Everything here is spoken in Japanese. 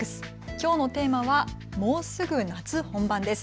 きょうのテーマはもうすぐ夏本番です。